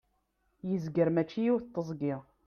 yezger mačči yiwet teẓgi